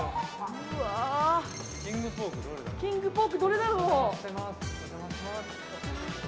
キングポークどれだろう。